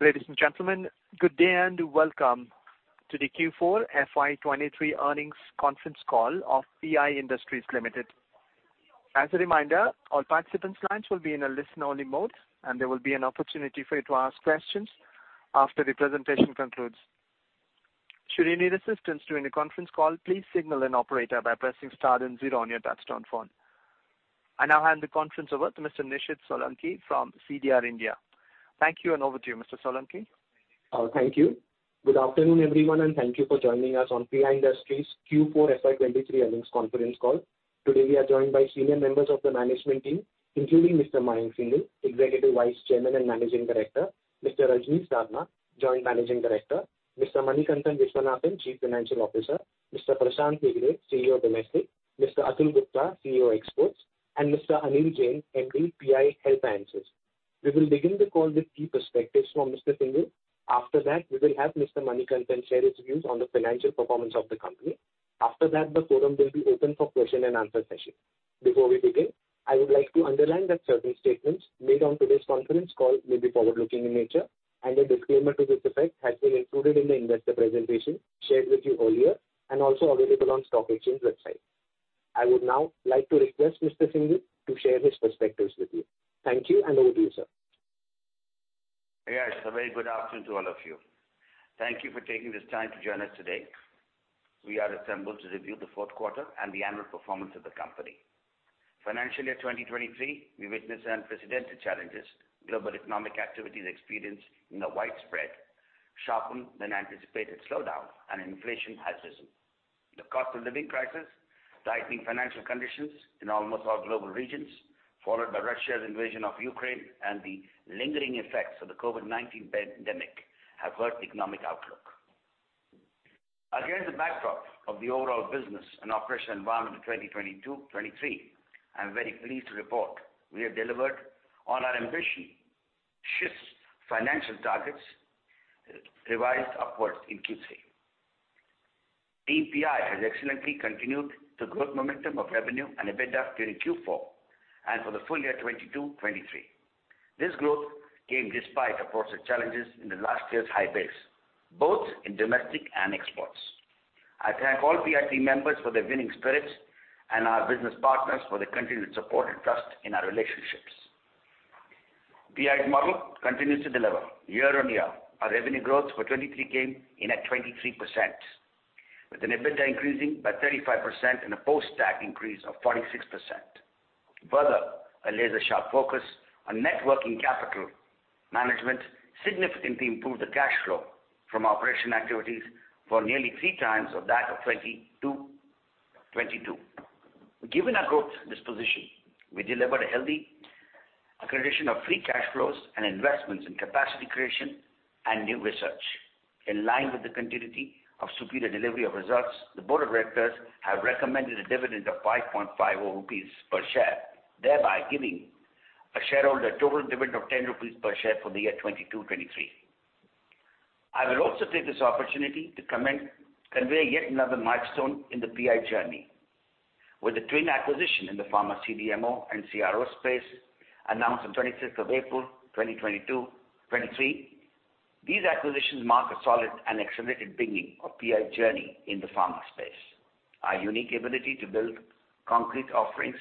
Ladies and gentlemen, good day and welcome to the Q4 FY 2023 earnings conference call of PI Industries Limited. As a reminder, all participant lines will be in a listen-only mode, and there will be an opportunity for you to ask questions after the presentation concludes. Should you need assistance during the conference call, please signal an operator by pressing star and zero on your touchtone phone. I now hand the conference over to Mr. Nishid Solanki from CDR India. Thank you, and over to you, Mr. Solanki. Thank you. Good afternoon, everyone, and thank you for joining us on PI Industries Q4 FY23 earnings conference call. Today, we are joined by senior members of the management team, including Mr. Mayank Singhal, Executive Vice Chairman and Managing Director. Mr. Rajnish Sarna, Joint Managing Director. Mr. Manikantan Viswanathan, Chief Financial Officer. Mr. Prashant Hegde, CEO Domestic. Mr. Atul Gupta, CEO Exports. Mr. Anil Jain, MD, PI Health Sciences. We will begin the call with key perspectives from Mr. Singhal. After that, we will have Mr. Manikantan share his views on the financial performance of the company. After that, the forum will be open for question and answer session. Before we begin, I would like to underline that certain statements made on today's conference call may be forward-looking in nature, and a disclaimer to this effect has been included in the investor presentation shared with you earlier, and also available on stock exchange website. I would now like to request Mr. Singhal to share his perspectives with you. Thank you. Over to you, sir. Yes, a very good afternoon to all of you. Thank you for taking this time to join us today. We are assembled to review the Q4 and the annual performance of the company. Financial year 2023, we witnessed unprecedented challenges global economic activities experienced in a widespread, sharpened than anticipated slowdown, and inflation has risen. The cost of living crisis, tightening financial conditions in almost all global regions, followed by Russia's invasion of Ukraine and the lingering effects of the COVID-19 pandemic have hurt economic outlook. Against the backdrop of the overall business and operational environment of 2022/2023, I'm very pleased to report we have delivered on our ambitious financial targets revised upwards in Q3. Team PI has excellently continued the growth momentum of revenue and EBITDA during Q4 and for the full year 2022/2023. This growth came despite the forces challenges in the last year's high base, both in domestic and exports. I thank all PI team members for their winning spirits and our business partners for their continued support and trust in our relationships. PI's model continues to deliver year on year. Our revenue growth for 2023 came in at 23%, with an EBITDA increasing by 35% and a post-tax increase of 46%. Further, a laser-sharp focus on net working capital management significantly improved the cash flow from operation activities for nearly three times of that of 2022/2022. Given our growth disposition, we delivered a healthy accreditation of free cash flows and investments in capacity creation and new research. In line with the continuity of superior delivery of results, the board of directors have recommended a dividend of 5.5 rupees per share, thereby giving a shareholder total dividend of 10 rupees per share for the year 2022/2023. I will also take this opportunity to convey yet another milestone in the PI journey. With the twin acquisition in the pharma CDMO and CRO space announced on 26 April 2022/2023, these acquisitions mark a solid and accelerated beginning of PI journey in the pharma space. Our unique ability to build concrete offerings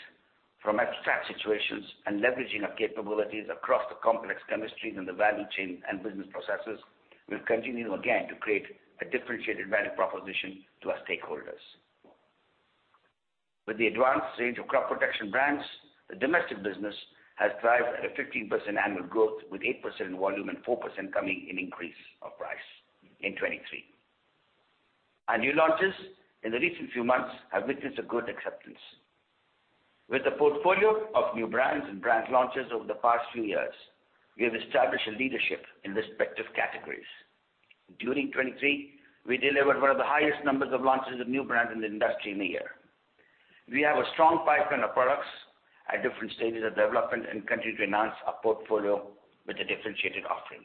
from abstract situations and leveraging our capabilities across the complex chemistries and the value chain and business processes will continue again to create a differentiated value proposition to our stakeholders. With the advanced range of crop protection brands, the domestic business has thrived at a 15% annual growth, with 8% in volume and 4% coming in increase of price in 2023. Our new launches in the recent few months have witnessed a good acceptance. With the portfolio of new brands and brand launches over the past few years, we have established a leadership in respective categories. During 2023, we delivered one of the highest numbers of launches of new brands in the industry in a year. We have a strong pipeline of products at different stages of development and continue to enhance our portfolio with a differentiated offering.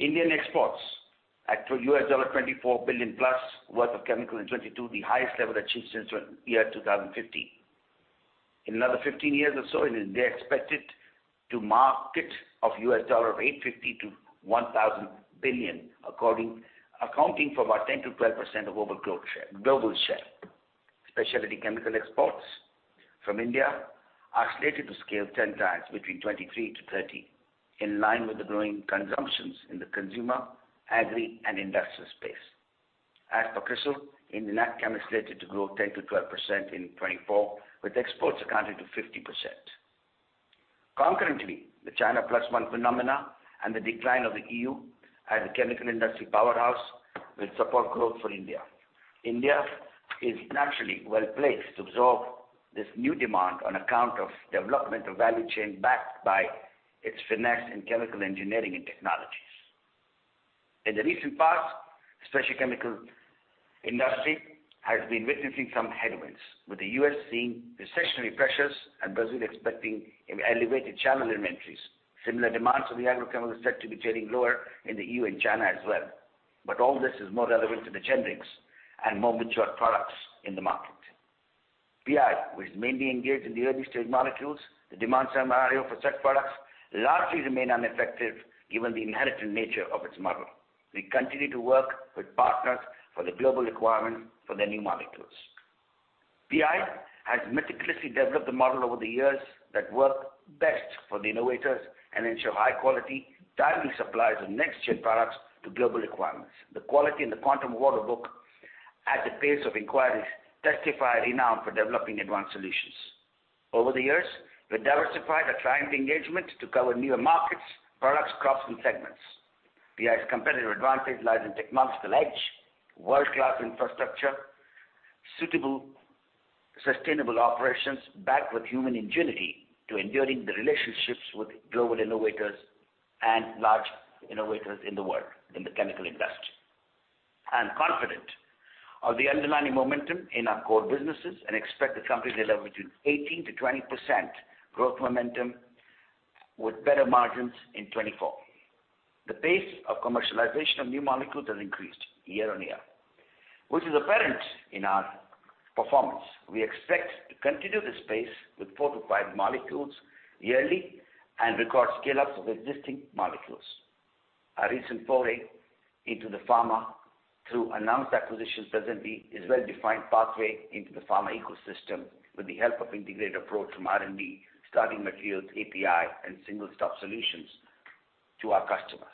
Indian exports at $24 billion-plus worth of chemical in 2022, the highest level achieved since year 2015. In another 15 years or so, India expected to market of $850 to 1,000 billion, accounting for about 10% to 12% of global share. Specialty chemical exports from India are slated to scale 10 times between 2023 to 2030, in line with the growing consumptions in the consumer, agri, and industrial space. As per Crisil, Indian Agchem is slated to grow 10% to 12% in 2024, with exports accounting to 50%. The China Plus One phenomena and the decline of the EU as a chemical industry powerhouse will support growth for India. India is naturally well-placed to absorb this new demand on account of development of value chain backed by its finesse in chemical engineering and technologies. In the recent past, specialty chemical industry has been witnessing some headwinds, with the U.S. seeing recessionary pressures and Brazil expecting elevated channel inventories. Similar demands of the agrochemicals set to be turning lower in the EU and China as well. All this is more relevant to the generics and more mature products in the market. PI, which is mainly engaged in the early-stage molecules, the demand scenario for such products largely remain unaffected given the inherited nature of its model. We continue to work with partners for the global requirement for their new molecules. PI has meticulously developed a model over the years that work best for the innovators and ensure high quality, timely supplies of next-gen products to global requirements. The quality and the quantum order book at the pace of inquiries testify renowned for developing advanced solutions. Over the years, we've diversified our client engagement to cover newer markets, products, crops, and segments. PI's competitive advantage lies in technological edge, world-class infrastructure, suitable sustainable operations backed with human ingenuity to enduring the relationships with global innovators and large innovators in the world, in the chemical industry. I'm confident of the underlying momentum in our core businesses and expect the company to deliver between 18% to 20% growth momentum with better margins in 2024. The pace of commercialization of new molecules has increased year-over-year, which is apparent in our performance. We expect to continue this pace with four to five molecules yearly and record scale-ups of existing molecules. Our recent foray into the pharma through announced acquisitions presently is well-defined pathway into the pharma ecosystem with the help of integrated approach from R&D, starting materials, API, and single-stop solutions to our customers.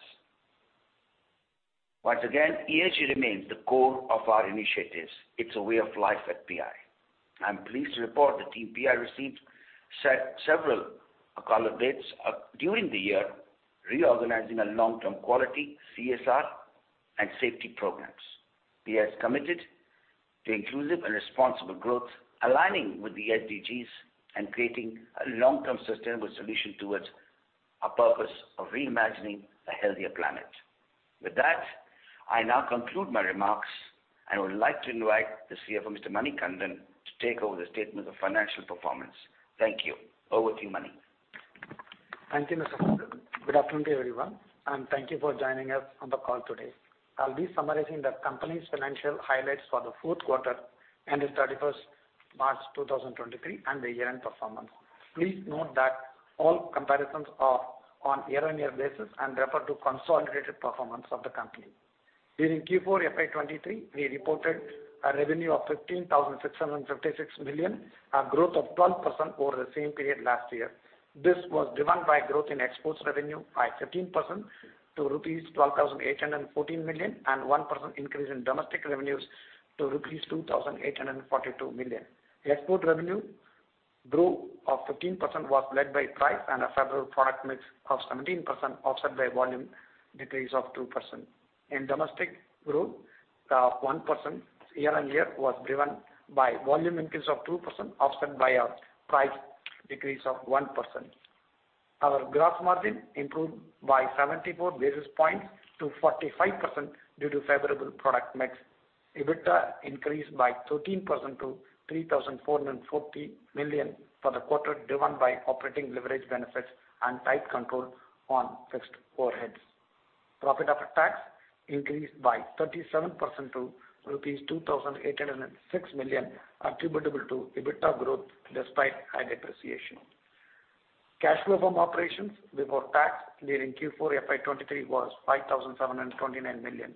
Once again, ESG remains the core of our initiatives. It's a way of life at PI. I'm pleased to report that team PI received several accolades during the year reorganizing our long-term quality, CSR, and safety programs. PI is committed to inclusive and responsible growth, aligning with the SDGs and creating a long-term sustainable solution towards our purpose of reimagining a healthier planet. With that, I now conclude my remarks. I would like to invite the CFO, Mr. Manikantan, to take over the statement of financial performance. Thank you. Over to you, Mani. Thank you, Mr. Madan. Good afternoon to everyone, and thank you for joining us on the call today. I'll be summarizing the company's financial highlights for the Q4 ended 31 March 2023, and the year-end performance. Please note that all comparisons are on year-on-year basis and refer to consolidated performance of the company. During Q4 FY23, we reported a revenue of 15,656 million, a growth of 12% over the same period last year. This was driven by growth in exports revenue by 13% to rupees 12,814 million and 1% increase in domestic revenues to rupees 2,842 million. The export revenue growth of 15% was led by price and a favorable product mix of 17%, offset by volume decrease of 2%. In domestic growth, the 1% year-on-year was driven by volume increase of 2%, offset by a price decrease of 1%. Our gross margin improved by 74 basis points to 45% due to favorable product mix. EBITDA increased by 13% to 3,440 million for the quarter, driven by operating leverage benefits and tight control on fixed overheads. Profit after tax increased by 37% to rupees 2,806 million, attributable to EBITDA growth despite high depreciation. Cash flow from operations before tax during Q4 FY 2023 was 5,729 million.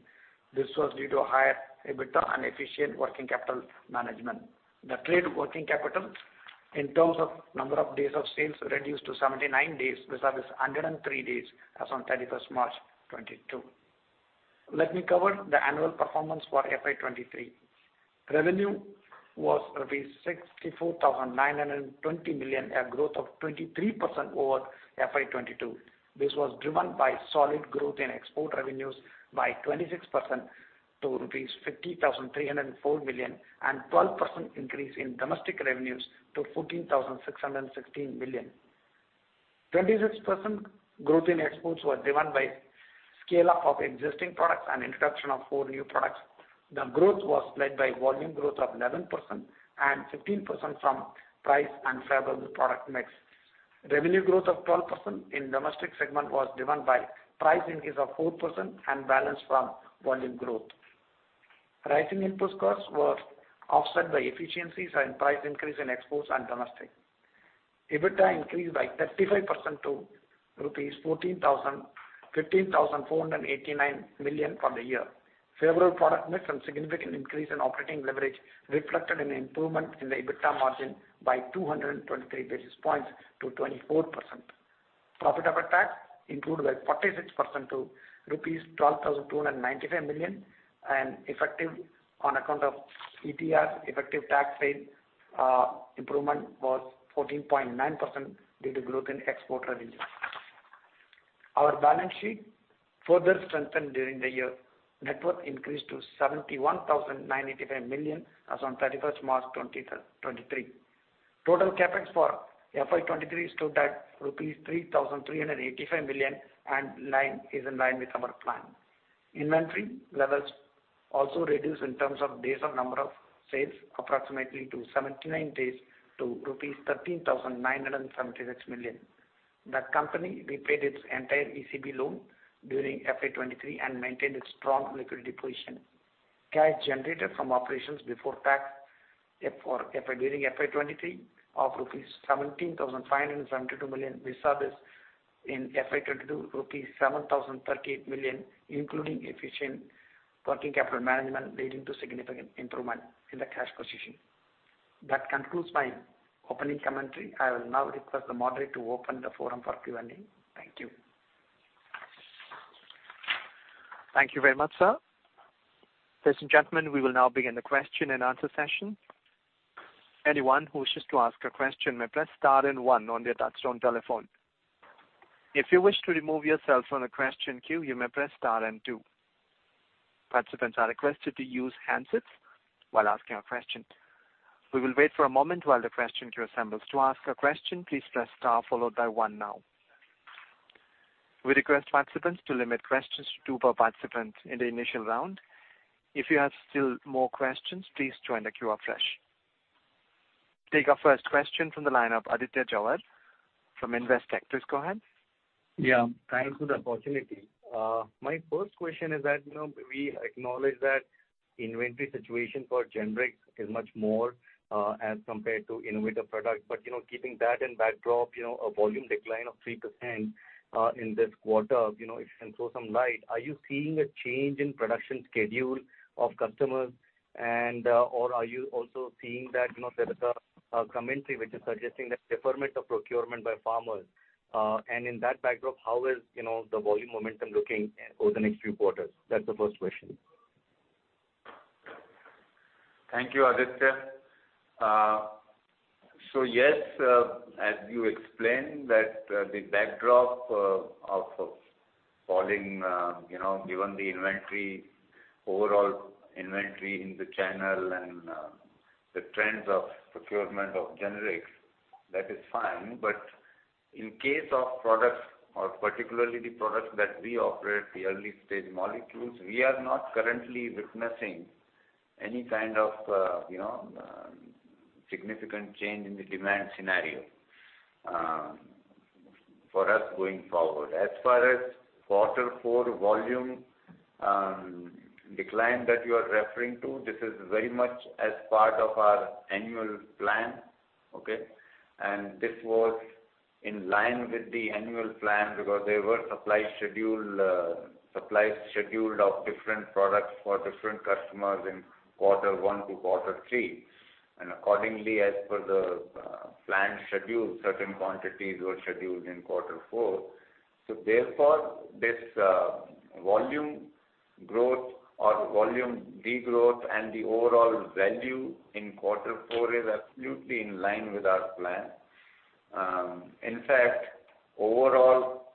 This was due to higher EBITDA and efficient working capital management. The trade working capital in terms of number of days of sales reduced to 79 days versus 103 days as on 31 March 2022. Let me cover the annual performance for FY 2023. Revenue was rupees 64,920 million, a growth of 23% over FY 2022. This was driven by solid growth in export revenues by 26% to rupees 50,304 million and 12% increase in domestic revenues to 14,616 million. 26% growth in exports was driven by scale-up of existing products and introduction of four new products. The growth was led by volume growth of 11% and 15% from price and favorable product mix. Revenue growth of 12% in domestic segment was driven by price increase of 4% and balance from volume growth. Rising input costs were offset by efficiencies and price increase in exports and domestic. EBITDA increased by 35% to 15,489 million for the year. Favorable product mix and significant increase in operating leverage reflected an improvement in the EBITDA margin by 223 basis points to 24%. Profit after tax improved by 46% to rupees 12,295 million. Effective on account of CTR, effective tax rate, improvement was 14.9% due to growth in export revenues. Our balance sheet further strengthened during the year. Net worth increased to 71,985 million as on 31 March 2023. Total CapEx for FY 2023 stood at rupees 3,385 million, and line is in line with our plan. Inventory levels also reduced in terms of days of number of sales approximately to 79 days to rupees 13,976 million. The company repaid its entire ECB loan during FY 2023 and maintained its strong liquidity position. Cash generated from operations before tax or FY, during FY 2023 of rupees 17,572 million vis-a-vis in FY 2022, rupees 7,038 million, including efficient working capital management leading to significant improvement in the cash position. That concludes my opening commentary. I will now request the moderator to open the forum for Q&A. Thank you. Thank you very much, sir. Ladies and gentlemen, we will now begin the question-and-answer session. Anyone who wishes to ask a question may press star and one on their touchtone telephone. If you wish to remove yourself from the question queue, you may press star and two. Participants are requested to use handsets while asking a question. We will wait for a moment while the question queue assembles. To ask a question, please press star followed by one now. We request participants to limit questions to two per participant in the initial round. If you have still more questions, please join the queue afresh. Take our first question from the lineup, Aditya Jhawar from Investec. Please go ahead. Yeah, thanks for the opportunity. My first question is that, you know, we acknowledge that inventory situation for generics is much more, as compared to innovator products. Keeping that in backdrop, you know, a volume decline of 3%, in this quarter, you know, if you can throw some light, are you seeing a change in production schedule of customers and, or are you also seeing that, you know, there is a commentary which is suggesting that deferment of procurement by pharmas? In that backdrop, how is, you know, the volume momentum looking over the next few quarters? That's the first question. Thank you, Aditya. Yes, as you explained that, the backdrop of falling, you know, given the inventory, overall inventory in the channel and the trends of procurement of generics, that is fine. In case of products or particularly the products that we operate, the early-stage molecules, we are not currently witnessing any kind of, you know, significant change in the demand scenario- -for us going forward as far as Q4 volume decline that you are referring to, this is very much as part of our annual plan, okay? This was in line with the annual plan because there were supply schedule of different products for different customers in quarter one to quarter three. Accordingly, as per the planned schedule, certain quantities were scheduled in Q4. Therefore, this volume growth or volume de-growth and the overall value in Q4 is absolutely in line with our plan. In fact, overall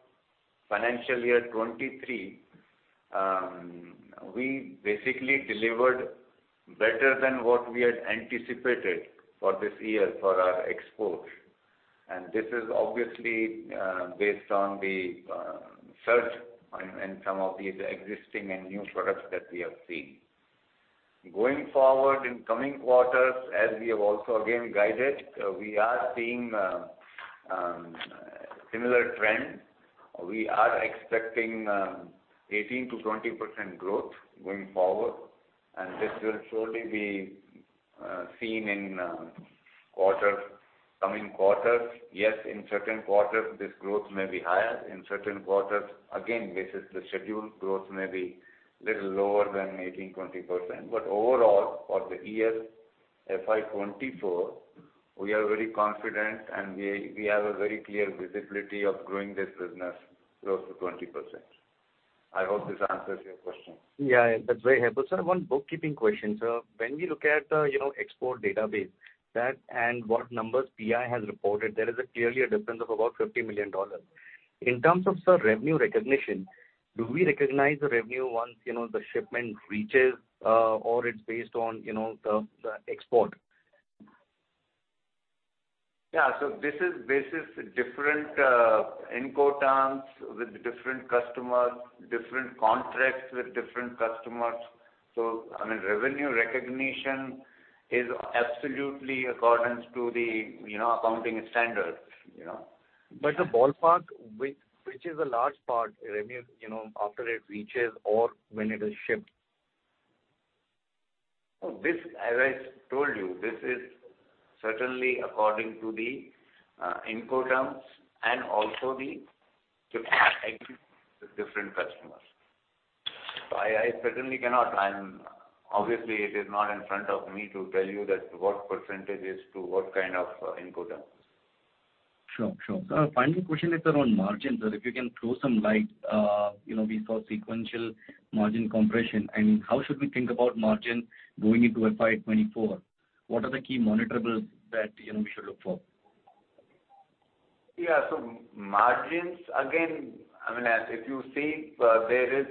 financial year 2023, we basically delivered better than what we had anticipated for this year for our exports. This is obviously based on the search on, in some of the existing and new products that we have seen. Going forward in coming quarters, as we have also again guided, we are seeing similar trends. We are expecting 18% to 20% growth going forward, and this will surely be seen in coming quarters. In certain quarters, this growth may be higher. In certain quarters, again, this is the scheduled growth may be little lower than 18% to 20%. Overall, for the year FY 2024, we are very confident, and we have a very clear visibility of growing this business close to 20%. I hope this answers your question. Yeah, that's very helpful. Sir, one bookkeeping question. When we look at, you know, export database, that and what numbers PI has reported, there is clearly a difference of about $50 million. In terms of, sir, revenue recognition, do we recognize the revenue once, you know, the shipment reaches, or it's based on, you know, the export? Yeah. This is based different Incoterms with different customers, different contracts with different customers. I mean, revenue recognition is absolutely accordance to the, you know, accounting standards, you know. The ballpark, which is a large part revenue, you know, after it reaches or when it is shipped. This, as I told you, this is certainly according to the Incoterms and also the with different customers. I'm obviously it is not in front of me to tell you that what percent is to what kind of Incoterms. Sure, sure. Final question is around margins. If you can throw some light, you know, we saw sequential margin compression. How should we think about margin going into FY 2024? What are the key monitorables that, you know, we should look for? Yeah. Margins again, I mean, as if you see, there is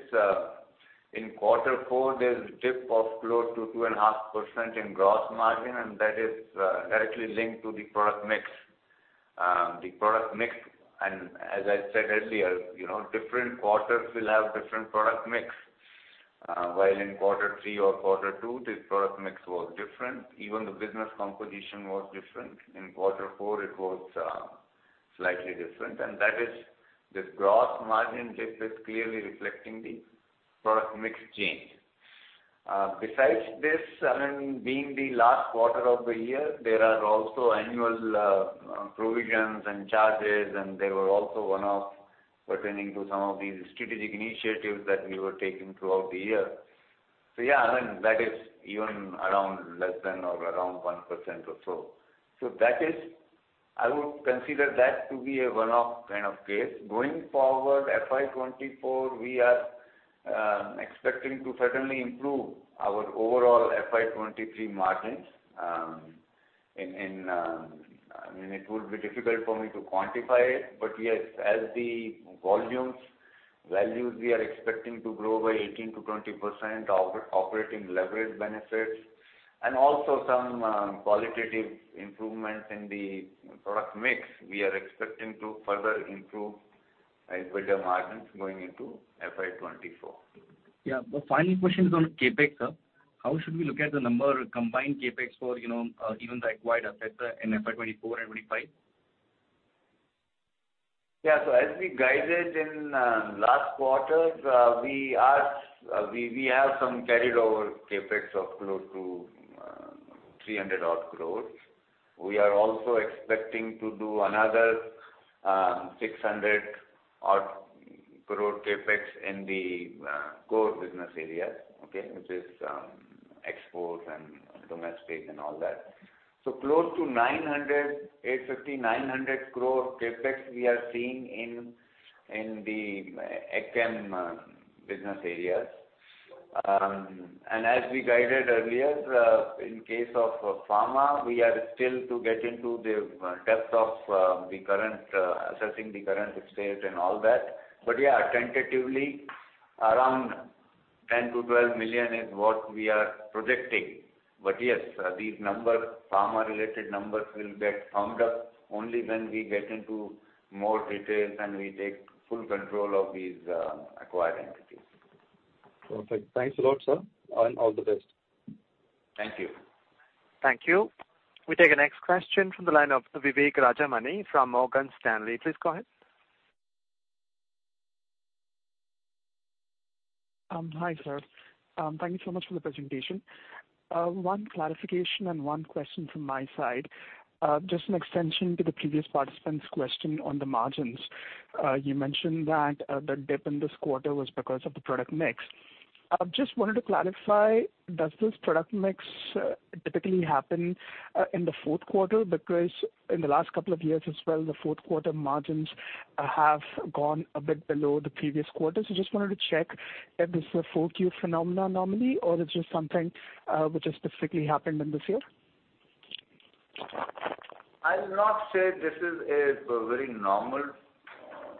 in Q4, there's a dip of close to 2.5% in gross margin, that is directly linked to the product mix. The product mix and as I said earlier, you know, different quarters will have different product mix. While in Q3 or Q2, this product mix was different. Even the business composition was different in Q4 it was- -slightly different, and that is this gross margin dip is clearly reflecting the product mix change. Besides this, I mean, being the last quarter of the year, there are also annual provisions and charges, they were also one-off pertaining to some of these strategic initiatives that we were taking throughout the year. Yeah, I mean, that is even around less than or around 1% or so. That is. I would consider that to be a one-off kind of case going forward, FY 2024, we are expecting to certainly improve our overall FY 2023 margins, I mean, it would be difficult for me to quantify it, but yes, as the volumes, values we are expecting to grow by 18% to 20%, operating leverage benefits and also some qualitative improvements in the product mix, we are expecting to further improve EBITDA margins going into FY 2024. Yeah. The final question is on CapEx, sir. How should we look at the number combined CapEx for, you know, even the acquired assets in FY 2024 and 2025? As we guided in last quarter, we are, we have some carried over CapEx of close to 300 odd crore. We are also expecting to do another 600 odd crore CapEx in the core business areas, okay? Which is exports and domestic and all that. So close to 900, 850, 900 crore CapEx we are seeing in the e-chem business areas. As we guided earlier, in case of pharma, we are still to get into the depth of the current assessing the current state and all that. But yeah, tentatively around $10 to 12 million is what we are projecting. Yes, these numbers, pharma related numbers will get summed up only when we get into more details and we take full control of these acquired entities. Perfect. Thanks a lot, sir. All the best. Thank you. Thank you. We take the next question from the line of Vivek Rajamani from Morgan Stanley. Please go ahead. Hi, sir. Thank you so much for the presentation. One clarification and one question from my side. Just an extension to the previous participant's question on the margins. You mentioned that the dip in this quarter was because of the product mix. I just wanted to clarify, does this product mix typically happen in the Q4? In the last couple of years as well, the Q4 margins have gone a bit below the previous quarters. Just wanted to check if this is a Q4 phenomena normally or it's just something which has specifically happened in this year. I'll not say this is a very normal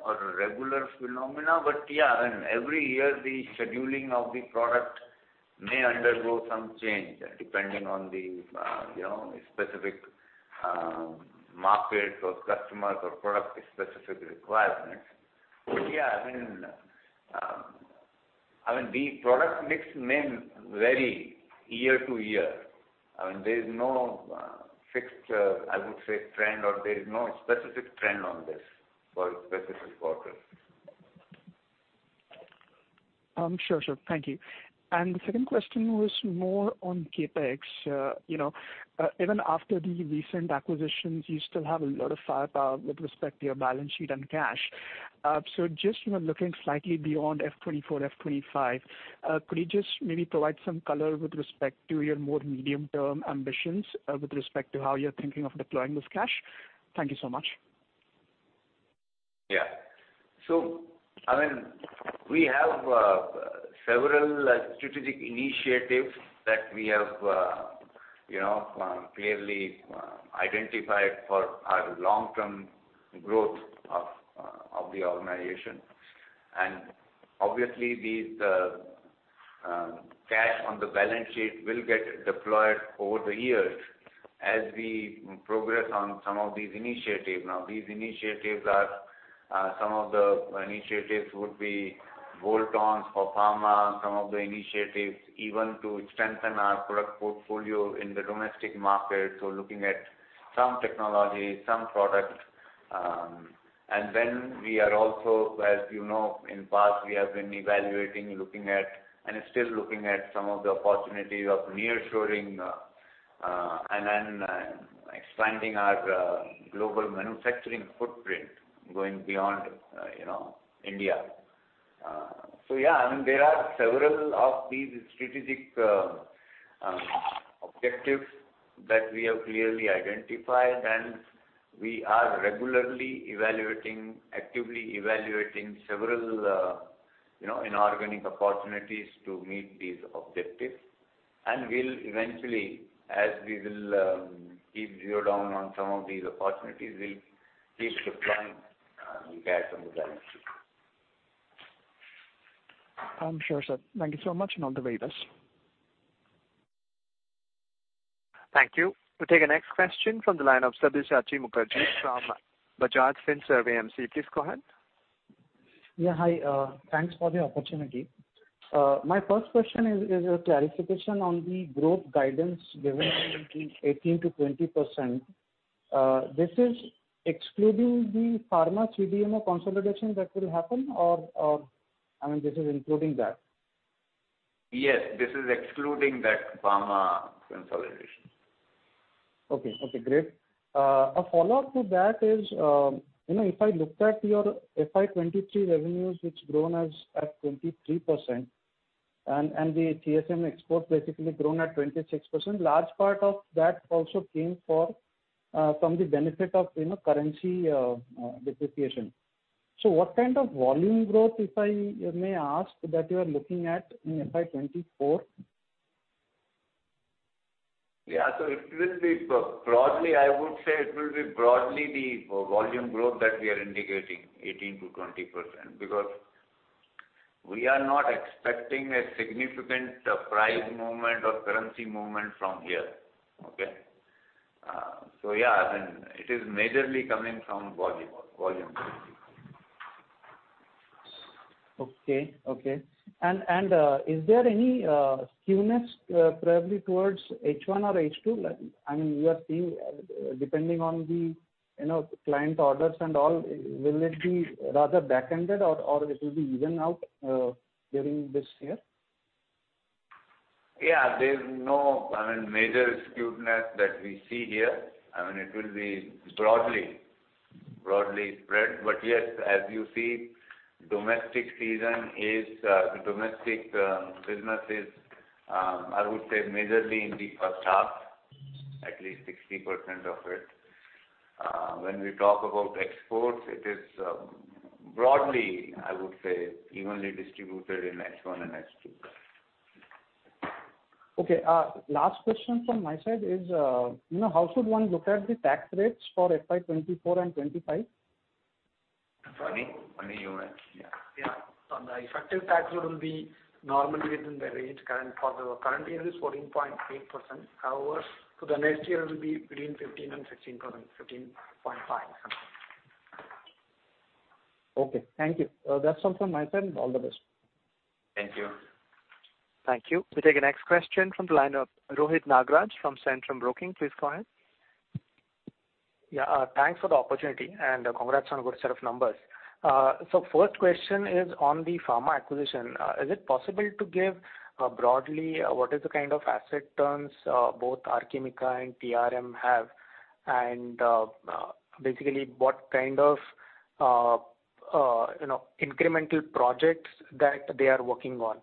or a regular phenomena. Yeah, I mean, every year the scheduling of the product may undergo some change depending on the, you know, specific market or customers or product specific requirements. Yeah, I mean, the product mix may vary year to year. I mean, there is no fixed, I would say trend or there is no specific trend on this for specific quarters. Sure, sure. Thank you. The second question was more on CapEx. you know, even after the recent acquisitions, you still have a lot of firepower with respect to your balance sheet and cash. Just, you know, looking slightly beyond FY2024, FY2025, could you just maybe provide some color with respect to your more medium-term ambitions, with respect to how you're thinking of deploying this cash? Thank you so much. Yeah. I mean, we have several strategic initiatives that we have, you know, clearly identified for our long-term growth of the organization. Obviously these cash on the balance sheet will get deployed over the years as we progress on some of these initiatives. These initiatives are some of the initiatives would be bolt-ons for pharma, some of the initiatives even to strengthen our product portfolio in the domestic market looking at some technology, some product. Then we are also, as you know, in past we have been evaluating, looking at, and still looking at some of the opportunities of nearshoring, and then expanding our global manufacturing footprint going beyond, you know, India. Yeah, I mean, there are several of these strategic objectives that we have clearly identified, and we are regularly evaluating, actively evaluating several, you know, inorganic opportunities to meet these objectives. We'll eventually, as we will, keep zero down on some of these opportunities, we'll keep deploying the cash on the balance sheet. Sure, sir. Thank you so much and all the way best. Thank you. We'll take the next question from the line of Subhashis Mukherjee from Bajaj Finserv AMC. Please go ahead. Yeah, hi. Thanks for the opportunity. My first question is a clarification on the growth guidance given between 18% to 20%. This is excluding the pharma CDMO consolidation that will happen or I mean, this is including that? Yes, this is excluding that pharma consolidation. Okay. Okay, great. A follow-up to that is, you know, if I looked at your FY 2023 revenues, it's grown at 23% and the CSM exports basically grown at 26%. Large part of that also came from the benefit of, you know, currency, depreciation. What kind of volume growth, if I may ask, that you are looking at in FY 2024? Yeah. It will be broadly, I would say it will be broadly the volume growth that we are indicating 18% to 20%, because we are not expecting a significant price movement or currency movement from here. Okay? Yeah, I mean, it is majorly coming from volume basically. Okay. Okay. Is there any skewness, probably towards H1 or H2? Like, I mean, you are seeing, depending on the, you know, client orders and all, will it be rather back-ended or it will be evened out, during this year? Yeah, there's no, I mean, major skewness that we see here. I mean, it will be broadly spread. Yes, as you see domestic season is the domestic business is, I would say majorly in the first half, at least 60% of it. When we talk about exports, it is, broadly, I would say evenly distributed in H1 and H2. Last question from my side is, you know, how should one look at the tax rates for FY 2024 and 2025? On a unit year. On the effective tax rate will be normally within the range current. For the current year is 14.8%. However, for the next year it will be between 15% and 16.5%. Okay. Thank you. That's all from my side. All the best. Thank you. Thank you. We take the next question from the line of Rohit Nagraj from Centrum Broking. Please go ahead. Yeah. Thanks for the opportunity and congrats on a good set of numbers. First question is on the pharma acquisition. Is it possible to give, broadly what is the kind of asset turns, both Archimica and TRM have and, basically what kind of, you know, incremental projects that they are working on?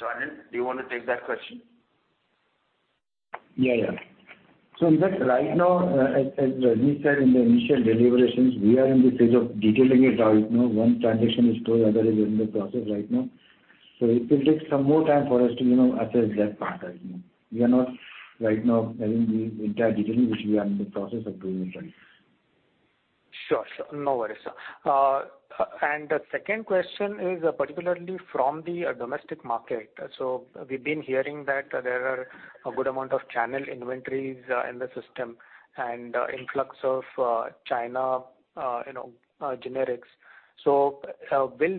Sajan, do you wanna take that question? Yeah. In that right now, as Rajnish said in the initial deliberations, we are in the phase of detailing it out. You know, one transaction is closed, other is in the process right now. It will take some more time for us to, you know, assess that part. You know, we are not right now having the entire detailing, which we are in the process of doing it right. Sure, sure. No worries, sir. The second question is particularly from the domestic market. We've been hearing that there are a good amount of channel inventories in the system and influx of China, you know, generics. Will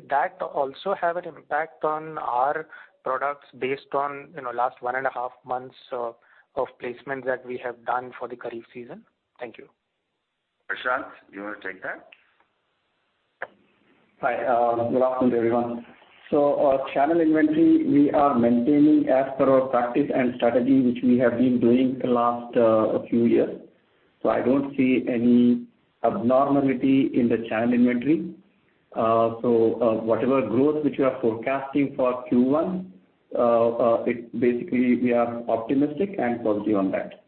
that also have an impact on our products based on, you know, last one and a half months of placements that we have done for the current season? Thank you. Prashant, do you wanna take that? Hi, good afternoon, everyone. Our channel inventory, we are maintaining as per our practice and strategy, which we have been doing for last few years. I don't see any abnormality in the channel inventory. Whatever growth which you are forecasting for Q1, it basically we are optimistic and positive on that.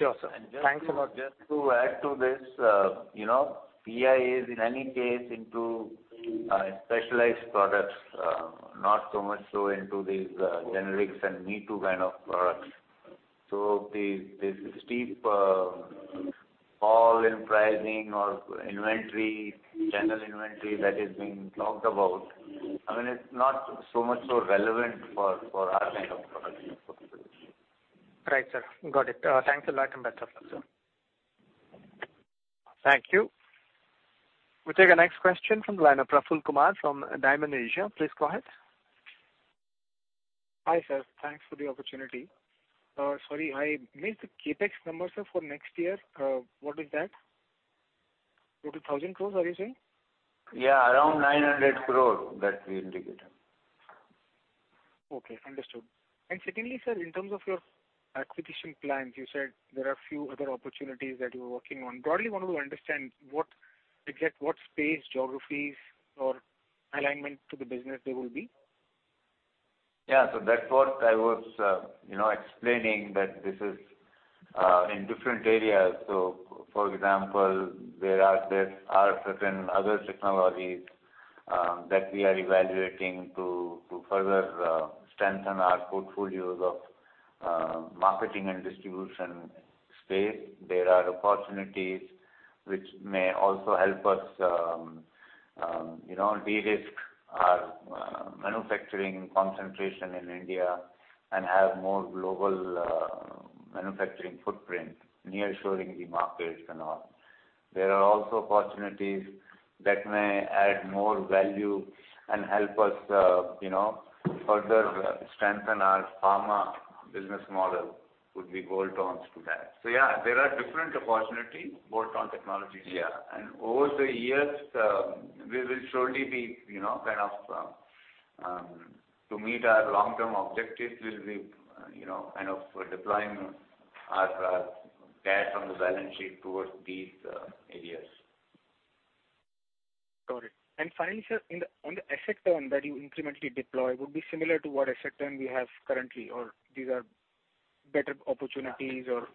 Sure, sir. Thanks a lot. Just to add to this, you know, PI is in any case into specialized products, not so much so into these generics and me too kind of products. The steep fall in pricing or inventory, general inventory that is being talked about, I mean, it's not so much so relevant for our kind of products. Right, sir. Got it. Thanks a lot and best of luck, sir. Thank you. We take the next question from the line of Praful Kumar from Dymon Asia. Please go ahead. Hi, sir. Thanks for the opportunity. Sorry, I missed the CapEx numbers, sir, for next year. What is that? 2,000 crores, are you saying? Yeah, around 900 crores that we indicated. Okay, understood. Secondly, sir, in terms of your acquisition plans, you said there are a few other opportunities that you are working on. Broadly want to understand what exact, what space geographies or alignment to the business they will be? That's what I was, you know, explaining that this is in different areas. For example, there are certain other technologies that we are evaluating to further strengthen our portfolios of marketing and distribution space. There are opportunities which may also help us, you know, de-risk our manufacturing concentration in India and have more global manufacturing footprint near showing the markets and all. There are also opportunities that may add more value and help us, you know, further strengthen our pharma business model with the bolt-ons to that. There are different opportunities, bolt-on technologies, yeah. Over the years, we will surely be, you know, kind of, to meet our long-term objectives, we'll be, you know, kind of deploying our debt on the balance sheet towards these areas. Got it. Finally, sir, on the asset term that you incrementally deploy would be similar to what asset term you have currently, or these are better opportunities or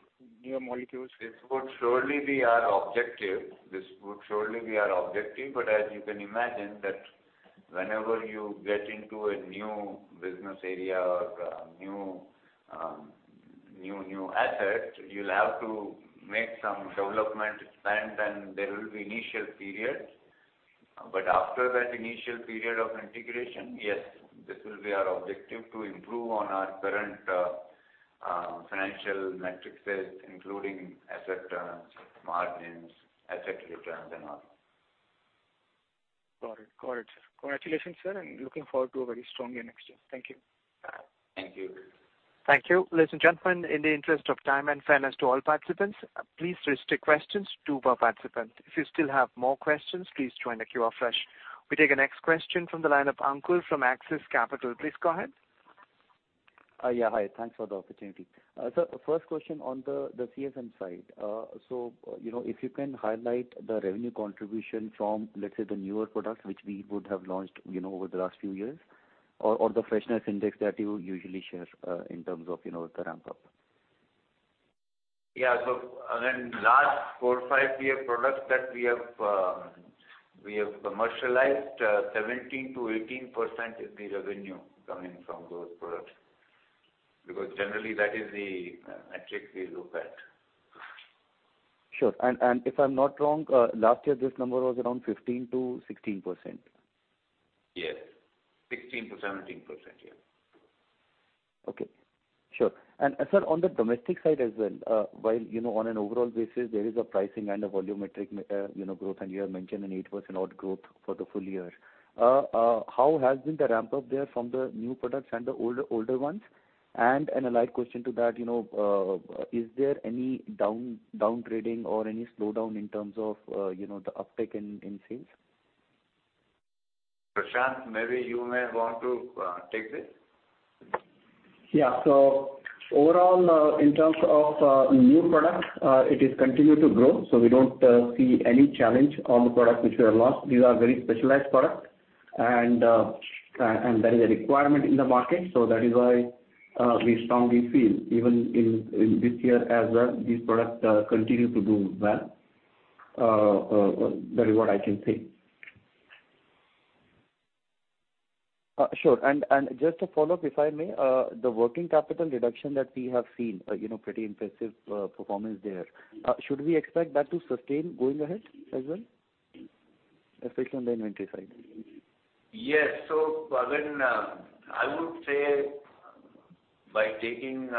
newer molecules? This would surely be our objective. As you can imagine, that whenever you get into a new business area or new asset, you'll have to make some development spend and there will be initial period. After that initial period of integration, yes, this will be our objective to improve on our current financial metrics, including asset terms, margins, asset returns and all. Got it. Got it, sir. Congratulations, sir, and looking forward to a very strong year next year. Thank you. Thank you. Thank you. Ladies and gentlemen, in the interest of time and fairness to all participants, please restrict questions two per participant. If you still have more questions, please join the queue afresh. We take the next question from the line of Ankur from Axis Capital. Please go ahead. Yeah, hi. Thanks for the opportunity. First question on the CSM side. You know, if you can highlight the revenue contribution from, let's say, the newer products which we would have launched, you know, over the last few years or the freshness index that you usually share, in terms of, you know, the ramp-up? Yeah. Again, last four, five year products that we have, we have commercialized, 17% to 18% is the revenue coming from those products, because generally that is the metric we look at. Sure. If I'm not wrong, last year this number was around 15% to 16%. Yes. 16% to 17%. Yeah. Okay. Sure. Sir, on the domestic side as well, while, you know, on an overall basis there is a pricing and a volumetric, you know, growth, and you have mentioned an 8% odd growth for the full year. How has been the ramp-up there from the new products and the older ones? A light question to that, you know, is there any downgrading or any slowdown in terms of, you know, the uptick in sales? Prashant, maybe you may want to, take this. Yeah. Overall, in terms of new products, it is continued to grow. We don't see any challenge on the products which we have launched. These are very specialized products and there is a requirement in the market. That is why, we strongly feel even in this year as well, these products continue to do well. That is what I can say. Sure. Just a follow-up, if I may. The working capital reduction that we have seen, you know, pretty impressive, performance there. Should we expect that to sustain going ahead as well, especially on the inventory side? Yes. Again, I would say by taking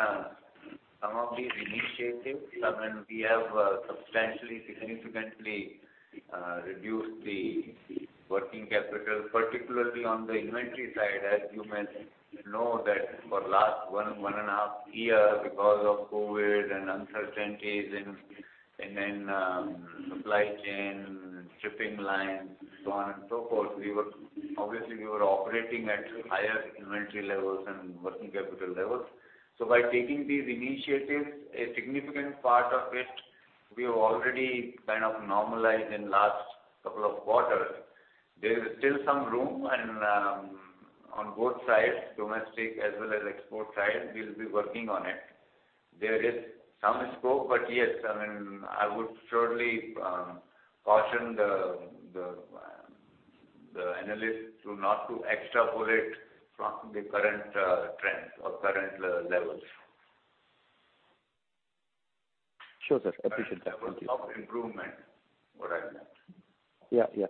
some of these initiatives, I mean, we have substantially, significantly reduced the working capital, particularly on the inventory side. As you may know that for last 1 and a half years, because of COVID and uncertainties in supply chain, shipping lines, so on and so forth, obviously we were operating at higher inventory levels and working capital levels. By taking these initiatives, a significant part of it we have already kind of normalized in last couple of quarters. There is still some room and on both sides, domestic as well as export side, we'll be working on it. There is some scope. Yes, I mean, I would surely caution the analysts to not to extrapolate from the current trends or current levels. Sure, sir. Appreciate that. Thank you. There is scope for improvement, what I meant. Yeah, yeah.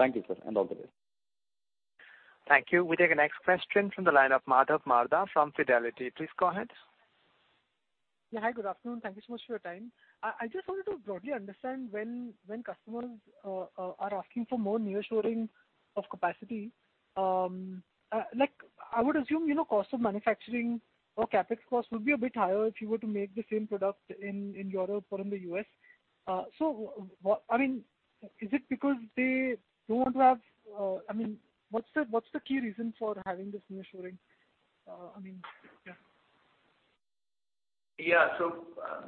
Thank you, sir. All the best. Thank you. We take the next question from the line of Madhav Marda from Fidelity. Please go ahead. Yeah. Hi, good afternoon. Thank you so much for your time. I just wanted to broadly understand when customers are asking for more nearshoring of capacity, like, I would assume, you know, cost of manufacturing or CapEx cost would be a bit higher if you were to make the same product in Europe or in the US. I mean, what's the key reason for having this nearshoring? I mean, yeah.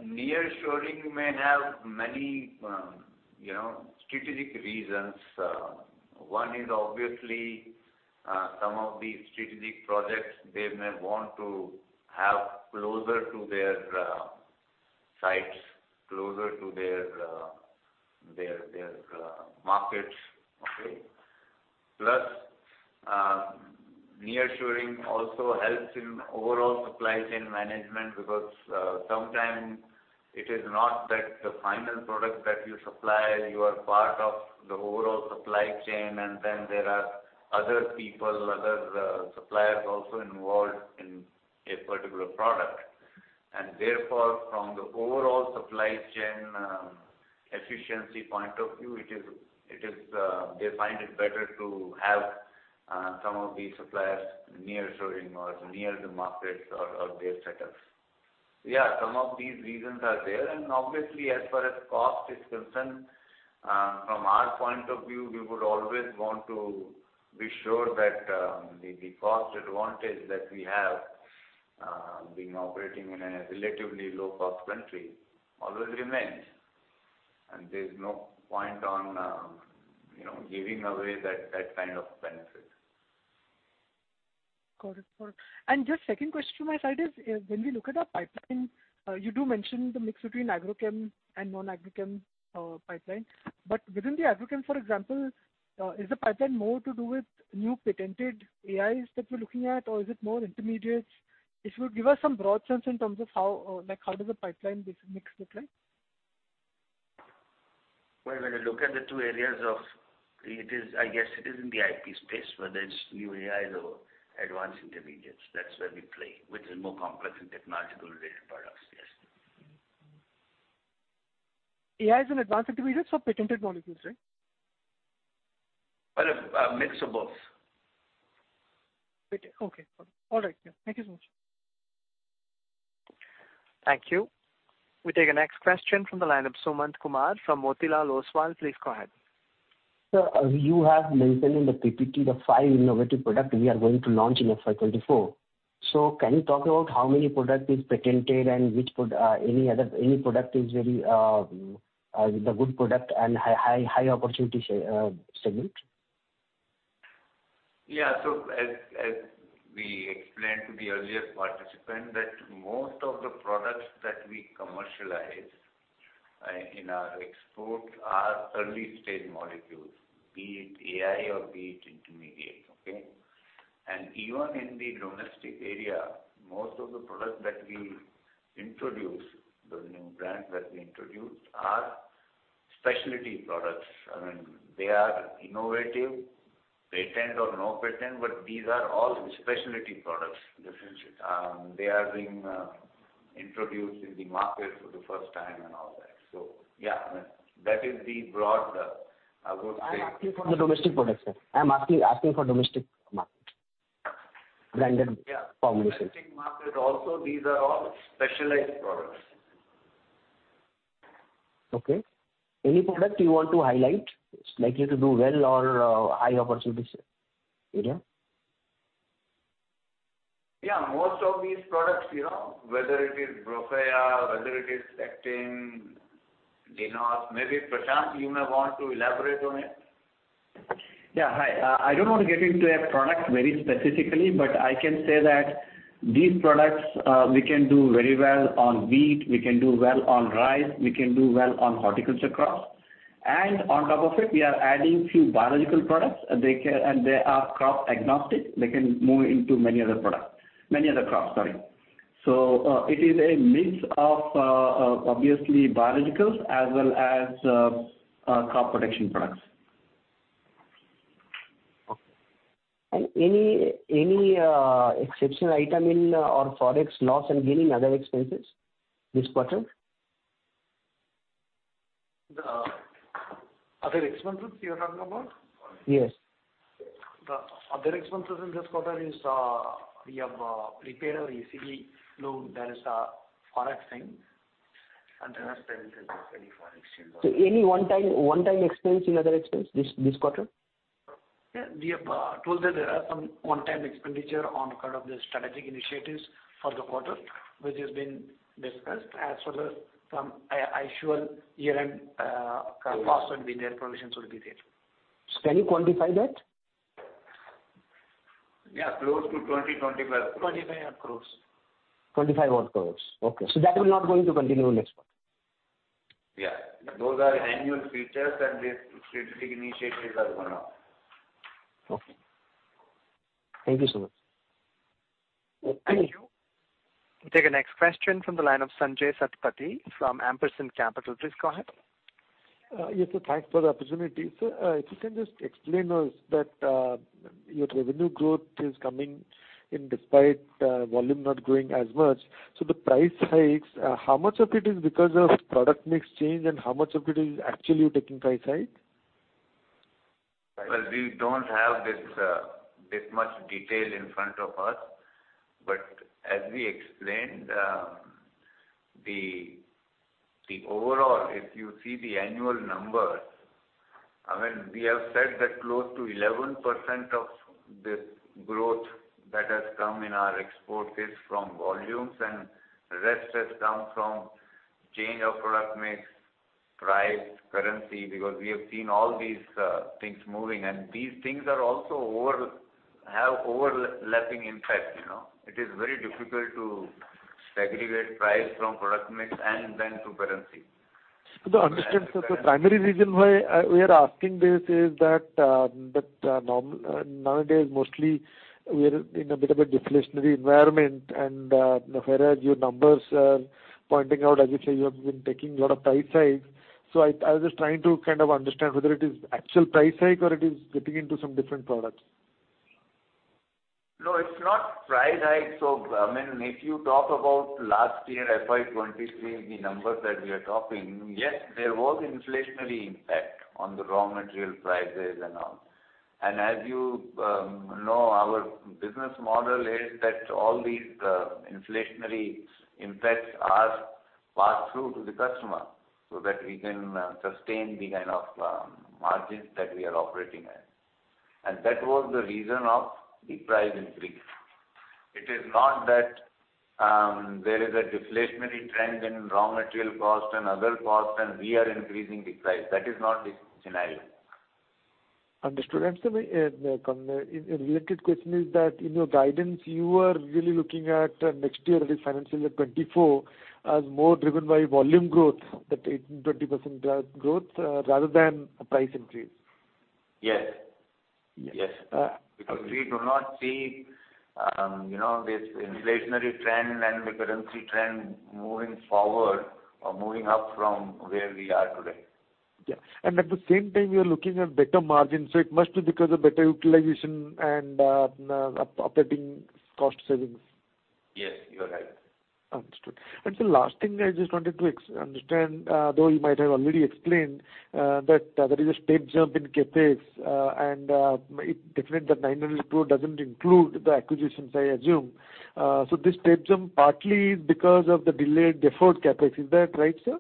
Nearshoring may have many, you know, strategic reasons. One is obviously, some of these strategic projects they may want to have closer to their sites, closer to their, their markets. Okay. Plus, nearshoring also helps in overall supply chain management because sometimes it is not that the final product that you supply, you are part of the overall supply chain and there are other people, other suppliers also involved in a particular product. Therefore, from the overall supply chain, efficiency point of view, it is, they find it better to have some of these suppliers nearshoring or near the markets or their setups. Some of these reasons are there. Obviously as far as cost is concerned, from our point of view, we would always want to be sure that the cost advantage that we have, being operating in a relatively low-cost country always remains. There's no point on, you know, giving away that kind of benefit. Got it. Just second question from my side is when we look at our pipeline, you do mention the mix between agrochem and non-agrochem pipeline. Within the agrochem, for example, is the pipeline more to do with new patented AIs that we're looking at? Or is it more intermediates? If you give us some broad sense in terms of how like how does the pipeline mix look like? Well, when you look at the two areas of... It is, I guess it is in the IP space, whether it's new AIs or advanced intermediates. That's where we play, which is more complex and technological related products. Yes. AI is an advanced intermediates or patented molecules, right? Well, a mix of both. Okay. All right. Yeah. Thank you so much. Thank you. We take the next question from the line of Sumant Kumar from Motilal Oswal. Please go ahead. Sir, you have mentioned in the PPT the five innovative product we are going to launch in FY 2024. Can you talk about how many product is patented and which any other, any product is very, the good product and high opportunity segment? As we explained to the earlier participant that most of the products that we commercialize in our export are early-stage molecules, be it AI or be it intermediate. Okay. Even in the domestic area, most of the products that we introduce, the new brands that we introduce are specialty products. I mean, they are innovative, patent or no patent, but these are all specialty products. They are being introduced in the market for the first time and all that. That is the broad, I would say. I'm asking for the domestic products, sir. I'm asking for domestic market. Branded formulation. Domestic market also, these are all specialized products. Okay. Any product you want to highlight, it's likely to do well or, high opportunities area? Yeah. Most of these products, you know, whether it is BROFEYA whether it is Actyn, DINOS. Maybe Prashant, you may want to elaborate on it. I don't want to get into a product very specifically, but I can say that these products, we can do very well on wheat, we can do well on rice, we can do well on horticulture crops. On top of it, we are adding few biological products. They are crop agnostic. They can move into many other products, many other crops. Sorry. It is a mix of, obviously biologicals as well as, crop protection products. Any exceptional item in or Forex loss and gaining other expenses this quarter? The other expenses you're talking about? Yes. The other expenses in this quarter is, we have, prepared a ECB loan. There is a Forex thing. There are expenses in any Forex exchange. Any one time expense in other expense this quarter? Yeah. We have told that there are some one-time expenditure on kind of the strategic initiatives for the quarter, which has been discussed. As for the some sure year-end cost will be there, provisions will be there. Can you quantify that? Yeah. Close to 20 to 25 crores. 25 crores. INR 25 odd crores. Okay. That is not going to continue next quarter. Yeah. Those are annual features, and the strategic initiatives are one-off. Okay. Thank you so much. Thank you. We take the next question from the line of Sanjaya Satpathy from Ampersand Capital. Please go ahead. Yes, sir. Thanks for the opportunity. Sir, if you can just explain us that your revenue growth is coming in despite volume not growing as much. The price hikes, how much of it is because of product mix change, and how much of it is actually you taking price hike? Well, we don't have this much detail in front of us. As we explained, the overall, if you see the annual number, I mean, we have said that close to 11% of the growth that has come in our export is from volumes and rest has come from change of product mix, price, currency, because we have seen all these things moving. These things are also have overlapping impact, you know. It is very difficult to segregate price from product mix and then to currency. To understand, sir, the primary reason why, we are asking this is that, nowadays, mostly we are in a bit of a deflationary environment, and, whereas your numbers are pointing out, as you say, you have been taking a lot of price hikes. I was just trying to kind of understand whether it is actual price hike or it is getting into some different products? No, it's not price hike. I mean, if you talk about last year, FY 2023, the numbers that we are talking, yes, there was inflationary impact on the raw material prices and all. As you know, our business model is that all these inflationary impacts are passed through to the customer so that we can sustain the kind of margins that we are operating at. That was the reason of the price increase. It is not that there is a deflationary trend in raw material cost and other costs, and we are increasing the price. That is not the scenario. Understood. Sir, my related question is that in your guidance, you are really looking at next year, that is financial year 2024, as more driven by volume growth, that is 20% growth, rather than price increase. Yes. Yes. Uh. We do not see, you know, this inflationary trend and the currency trend moving forward or moving up from where we are today. Yeah. At the same time you're looking at better margins, so it must be because of better utilization and operating cost savings. Yes, you are right. The last thing I just wanted to understand, though you might have already explained, that there is a steep jump in CapEx, and it's different, that 900 crore doesn't include the acquisitions, I assume. So this steep jump partly is because of the delayed deferred CapEx. Is that right, sir?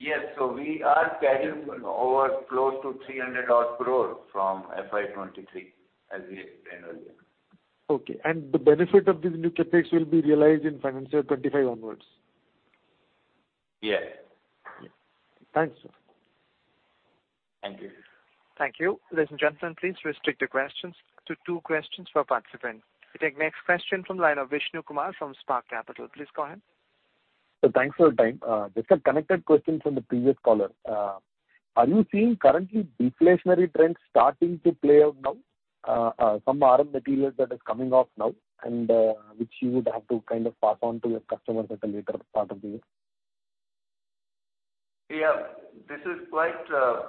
Yes. we are scheduling over close to 300 odd crore from FY 2023, as we explained earlier. Okay. The benefit of this new CapEx will be realized in financial 2025 onwards. Yes. Thanks, sir. Thank you. Thank you. Ladies and gentlemen, please restrict your questions to two questions per participant. We take next question from line of Vishnu Kumar from Spark Capital. Please go ahead. Thanks for your time. Just a connected question from the previous caller. Are you seeing currently deflationary trends starting to play out now, some raw materials that is coming off now and, which you would have to kind of pass on to your customers at a later part of the year? This is quite,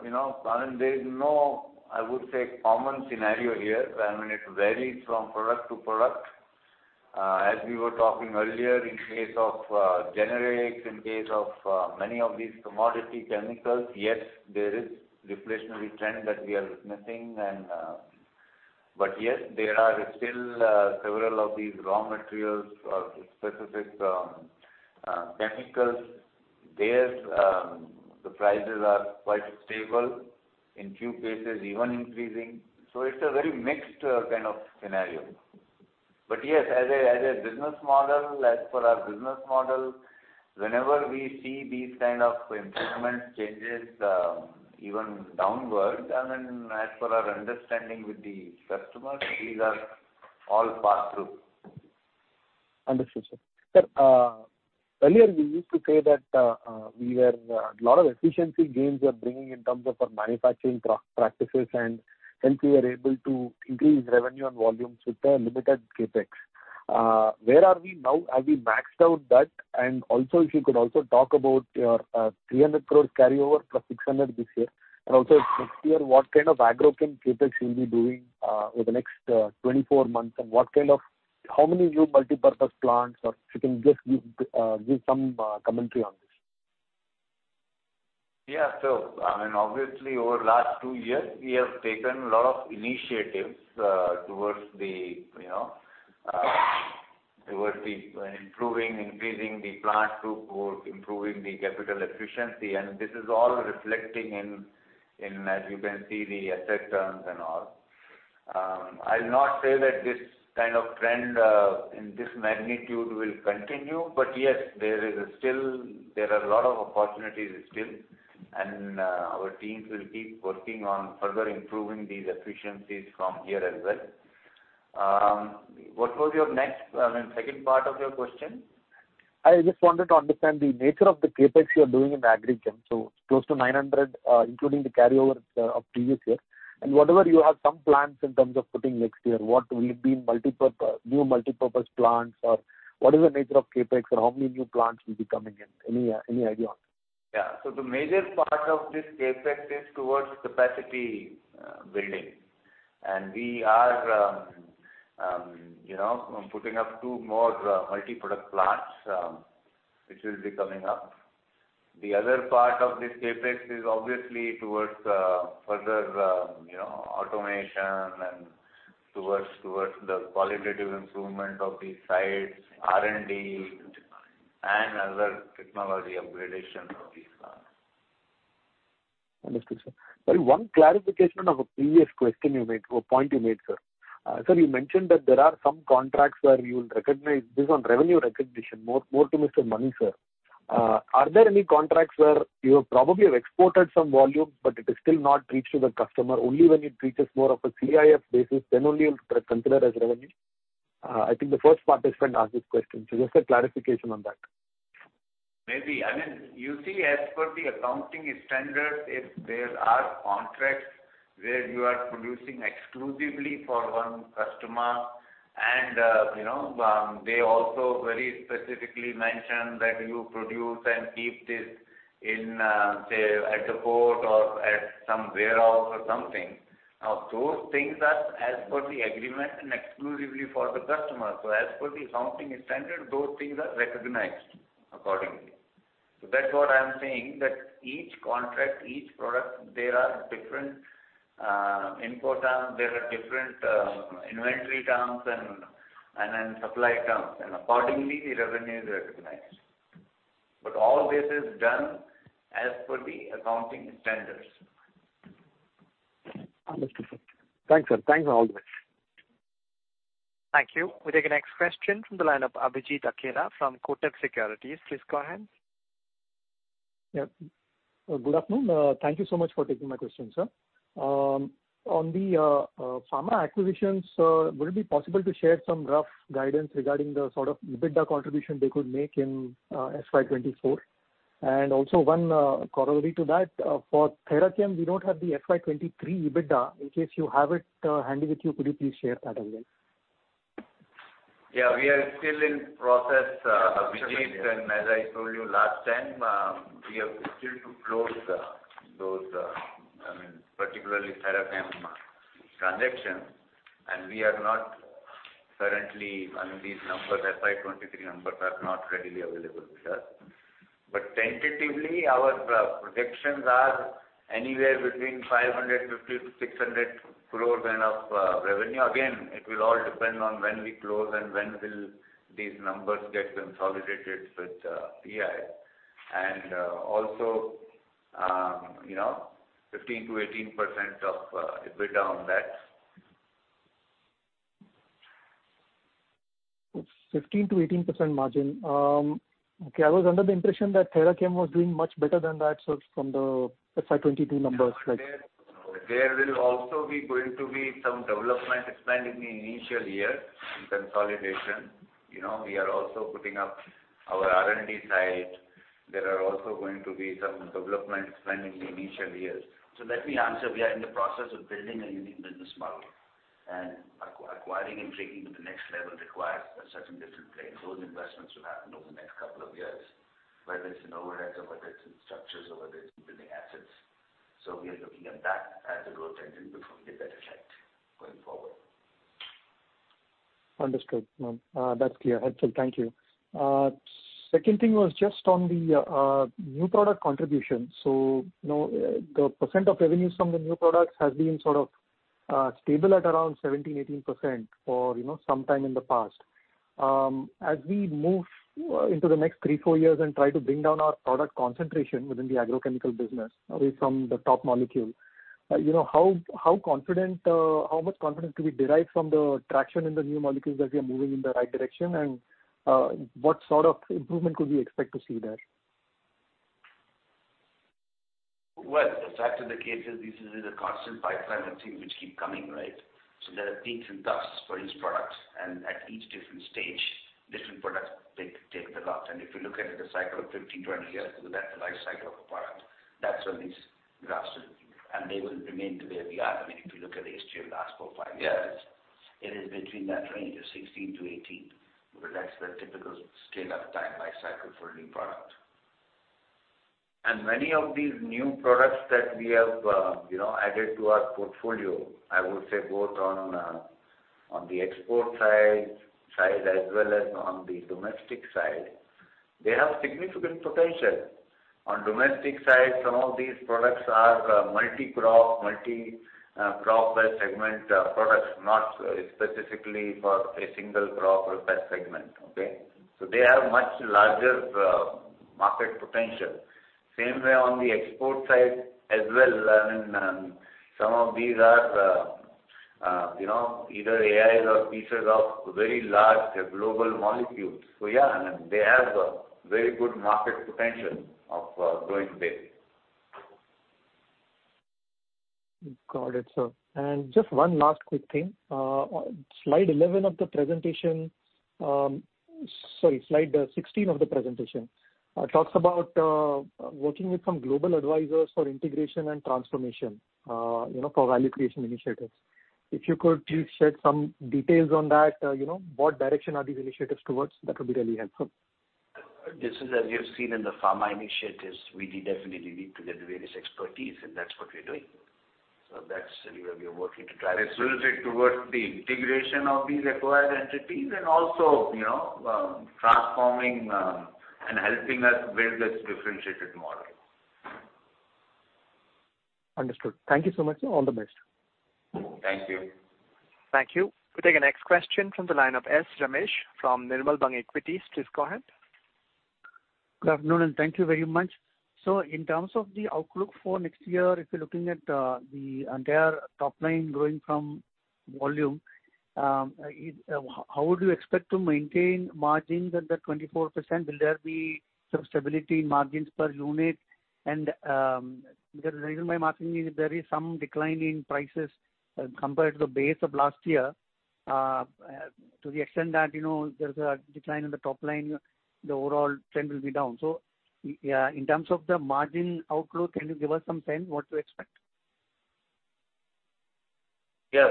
you know. I mean, there is no, I would say, common scenario here. I mean, it varies from product to product. As we were talking earlier, in case of generics, in case of many of these commodity chemicals, yes, there is deflationary trend that we are witnessing. Yes, there are still several of these raw materials or specific chemicals, their prices are quite stable, in few cases even increasing. It's a very mixed kind of scenario. Yes, as a business model, as per our business model, whenever we see these kind of improvement changes, even downwards, as per our understanding with the customers, these are all passed through. Understood, sir. Sir, earlier you used to say that we were lot of efficiency gains you are bringing in terms of our manufacturing practices, and hence we were able to increase revenue and volumes with a limited CapEx. Where are we now? Have we maxed out that? If you could also talk about your 300 crore carryover plus 600 this year. Next year, what kind of agrochem CapEx you'll be doing over the next 24 months and how many new multipurpose plants or if you can just give some commentary on this. Yeah. I mean, obviously over last two years we have taken a lot of initiatives, towards the, you know, towards the improving, increasing the plant throughput, improving the capital efficiency. This is all reflecting in, as you can see, the asset turns and all. I'll not say that this kind of trend, in this magnitude will continue, but yes, there is still, there are a lot of opportunities still. Our teams will keep working on further improving these efficiencies from here as well. What was your next, I mean, second part of your question? I just wanted to understand the nature of the CapEx you are doing in agrochem. Close to 900, including the carryovers of previous year. Whatever you have some plans in terms of putting next year, what will it be new multipurpose plants or what is the nature of CapEx or how many new plants will be coming in? Any idea on this? The major part of this CapEx is towards capacity building. We are, you know, putting up two more multiproduct plants which will be coming up. The other part of this CapEx is obviously towards further, you know, automation and towards the qualitative improvement of these sites, R&D and other technology upgradation of these plants. Understood, sir. Sorry, one clarification on a previous question you made, or point you made, sir. Sir, you mentioned that there are some contracts where you will recognize based on revenue recognition. More to Mr. Mani, sir. Are there any contracts where you probably have exported some volume, but it is still not reached to the customer? Only when it reaches more of a CIF basis, then only you'll consider as revenue? I think the first participant asked this question, so just a clarification on that. Maybe. I mean, you see, as per the accounting standard, if there are contracts where you are producing exclusively for one customer, you know, they also very specifically mention that you produce and keep this in, say, at the port or at some warehouse or something. Those things are as per the agreement and exclusively for the customer. As per the accounting standard, those things are recognized accordingly. That's what I'm saying, that each contract, each product, there are different input terms, there are different inventory terms and then supply terms, and accordingly, the revenue is recognized. All this is done as per the accounting standards. Understood, sir. Thanks, sir. Thanks, and all the best. Thank you. We'll take the next question from the line of Abhijit Akella from Kotak Securities. Please go ahead. Good afternoon. Thank you so much for taking my question, sir. On the pharma acquisitions, would it be possible to share some rough guidance regarding the sort of EBITDA contribution they could make in FY 2024? Also one corollary to that, for Therachem, we don't have the FY 2023 EBITDA. In case you have it handy with you, could you please share that as well? Yeah. We are still in process, Abhijit. As I told you last time, we have still to close the, those, I mean, particularly Therachem transaction. We are not currently on these numbers. FY 2023 numbers are not readily available with us. But tentatively, our projections are anywhere between 550 to 600 crore run of revenue. Again, it will all depend on when we close and when will these numbers get consolidated with EI. Also, you know, 15% to 18% of EBITDA on that. 15% to 18% margin. Okay, I was under the impression that Therachem was doing much better than that, from the FY 2022 numbers. There will also be going to be some development spend in the initial year in consolidation. You know, we are also putting up our R&D side. There are also going to be some development spend in the initial years. Let me answer. We are in the process of building a unique business model, and acquiring and taking to the next level requires a certain different plane those investments will happen over the next couple of years, whether it's in overheads or whether it's in structures or whether it's in building assets. We are looking at that as a growth engine before we get better effect going forward. Understood, ma'am. That's clear. Helpful. Thank you. Second thing was just on the new product contribution. You know, the percent of revenues from the new products has been sort of stable at around 17% to 18% for, you know, some time in the past. As we move into the next three to four years and try to bring down our product concentration within the agrochemical business away from the top molecule, you know, how confident, how much confidence can we derive from the traction in the new molecules that we are moving in the right direction? What sort of improvement could we expect to see there? Well, the fact of the case is this is a constant pipeline and things which keep coming, right? There are peaks and troughs for each product, and at each different stage, different products take the lot. If you look at it, the cycle of 15, 20 years, that's the life cycle of a product. That's when these graphs will be. They will remain the way we are i mean, if you look at the history of last four, five years, it is between that range of 16-18. That's the typical scale of time life cycle for a new product. Many of these new products that we have, you know, added to our portfolio, I would say both on the export side, as well as on the domestic side, they have significant potential. On domestic side, some of these products are multi-crop, multi, crop-based segment, products, not specifically for a single crop or per segment. Okay? They have much larger market potential. Same way on the export side as well, I mean, some of these are, you know, either AIs or pieces of very large global molecules. Yeah, I mean, they have a very good market potential of growing big. Got it, sir. Just one last quick thing. slide 11 of the presentation, sorry, slide 16 of the presentation, talks about working with some global advisors for integration and transformation, you know, for value creation initiatives. If you could please share some details on that, you know, what direction are these initiatives towards, that would be really helpful. This is as you've seen in the pharma initiatives, we definitely need to get various expertise, and that's what we're doing. That's where we are working to drive it towards the integration of these acquired entities and also, you know, transforming, and helping us build this differentiated model. Understood. Thank you so much. All the best. Thank you. Thank you. We'll take the next question from the line of S. Ramesh from Nirmal Bang Equities. Please go ahead. Good afternoon, thank you very much. In terms of the outlook for next year, if you're looking at, the entire top line growing from volume, how would you expect to maintain margins under 24%? Will there be some stability in margins per unit? The reason why I'm asking is there is some decline in prices, compared to the base of last year. To the extent that, you know, there's a decline in the top line, the overall trend will be down. Yeah, in terms of the margin outlook, can you give us some sense what to expect? Yeah.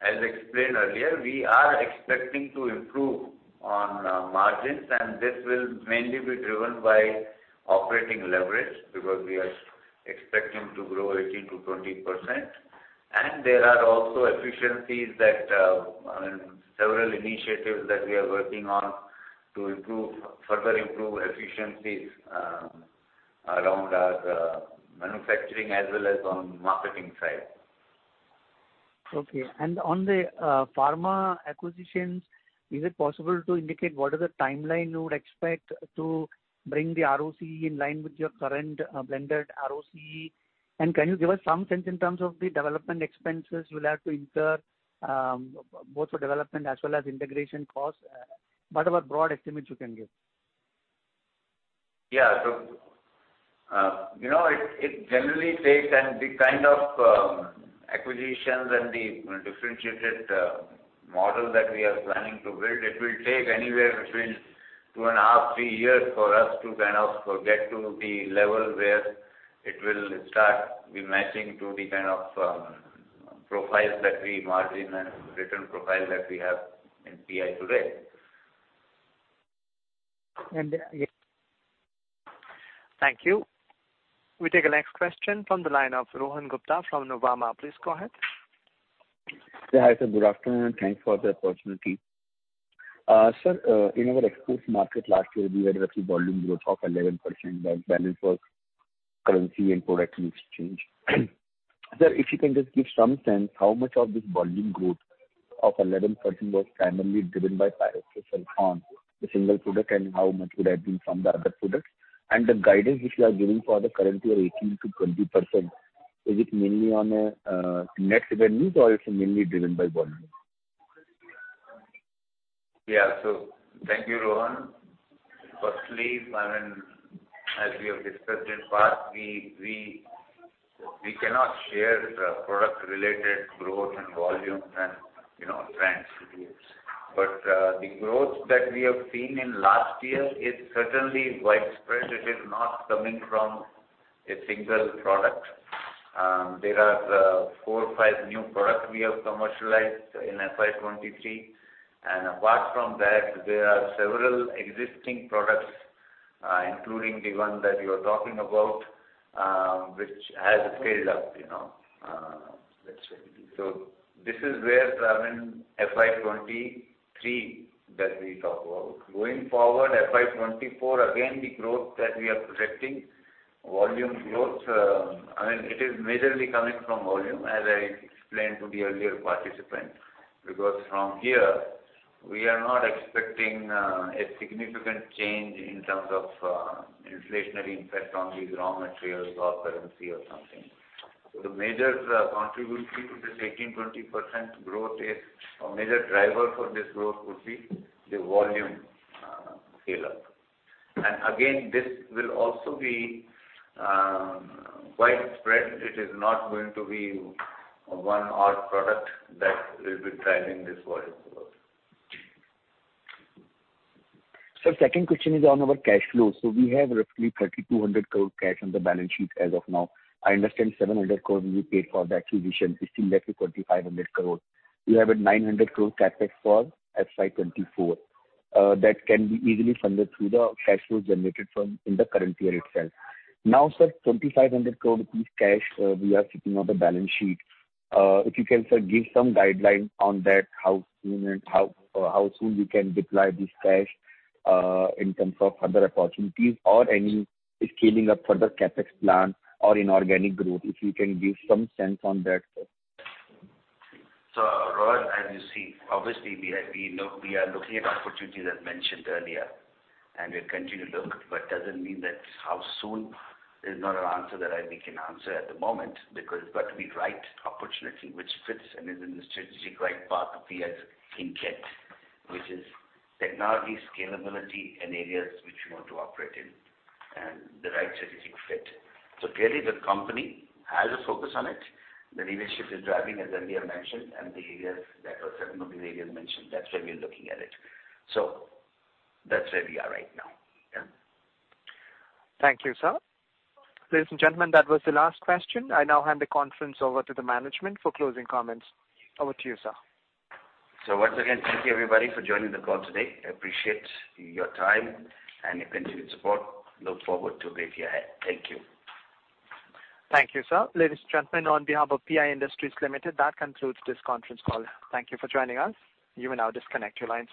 As explained earlier, we are expecting to improve on margins, and this will mainly be driven by operating leverage because we are expecting to grow 18% to 20%. There are also efficiencies that, I mean, several initiatives that we are working on to further improve efficiencies, around our manufacturing as well as on marketing side. Okay. On the pharma acquisitions, is it possible to indicate what is the timeline you would expect to bring the ROCE in line with your current blended ROCE? Can you give us some sense in terms of the development expenses you will have to incur, both for development as well as integration costs? What about broad estimates you can give? Yeah. you know, it generally takes, and the kind of, acquisitions and the differentiated, model that we are planning to build, it will take anywhere between 2.5-3 years for us to kind of get to the level where it will start rematching to the kind of, margin and return profile that we have in PI today. And then yeah- Thank you. We take the next question from the line of Rohan Gupta from Nuvama. Please go ahead. Yeah, hi, sir. Good afternoon, and thanks for the opportunity. Sir, in our exports market last year, we had a rough volume growth of 11%, but balance was currency and product mix change. Sir, if you can just give some sense how much of this volume growth of 11% was primarily driven by pyroxasulfone on the single product, and how much would have been from the other products? The guidance which you are giving for the current year, 18% to 20%, is it mainly on net revenues or it's mainly driven by volume? Yeah. Thank you, Rohan. Firstly, I mean, as we have discussed in the past, we cannot share the product-related growth and volume and, you know, trends with you. The growth that we have seen in last year is certainly widespread. It is not coming from a single product. There are four or five new products we have commercialized in FY 2023. Apart from that, there are several existing products, including the one that you're talking about, which has scaled up, you know. This is where, I mean, FY 2023 that we talk about. Going forward, FY 2024, again, the growth that we are projecting, volume growth, I mean, it is majorly coming from volume, as I explained to the earlier participant. From here we are not expecting a significant change in terms of inflationary impact on the raw materials or currency or something. The major contribution to this 18% to 20% growth is, or major driver for this growth would be the volume scale-up. Again, this will also be widespread. It is not going to be one odd product that will be driving this volume growth. Sir, second question is on our cash flow we have roughly 3,200 crore cash on the balance sheet as of now. I understand 700 crore will be paid for the acquisition we still have 2,500 crore. We have 900 crore CapEx for FY 2024, that can be easily funded through the cash flow generated from in the current year itself. Sir, 2,500 crore rupees cash we are sitting on the balance sheet. If you can, sir, give some guideline on that, how soon and how soon we can deploy this cash in terms of other opportunities or any scaling up further CapEx plan or inorganic growth, if you can give some sense on that, sir. Rohan, as you see, obviously we are, we know we are looking at opportunities as mentioned earlier, and we'll continue to look, but doesn't mean that how soon is not an answer that I, we can answer at the moment because it's got to be right opportunity which fits and is in the strategic right path we as in jet, which is technology, scalability and areas which we want to operate in and the right strategic fit. Clearly the company has a focus on it. The leadership is driving as Sandeep mentioned and the areas that were mentioned, that's where we are looking at it. That's where we are right now. Yeah. Thank you, sir. Ladies and gentlemen, that was the last question. I now hand the conference over to the management for closing comments. Over to you, sir. Once again, thank you everybody for joining the call today. I appreciate your time and your continued support. Look forward to a great year ahead. Thank you. Thank you, sir. Ladies and gentlemen, on behalf of PI Industries Limited, that concludes this conference call. Thank you for joining us. You may now disconnect your lines.